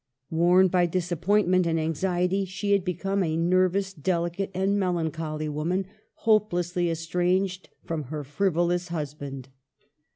Worn by disappointment and anxiety, she had become a nervous, dehcate, and melancholy woman, hopelessly estranged from her frivolous husband.